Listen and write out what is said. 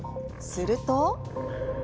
すると？